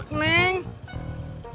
kakak pur kakaknya